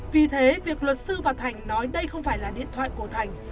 vì thế việc luật sư và thành nói đây không phải là điện thoại của thành